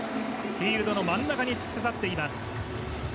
フィールドの真ん中に突き刺さっています。